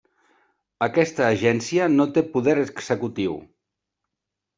Aquesta agència no té poder executiu.